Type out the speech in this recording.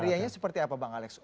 meriahnya seperti apa bang alex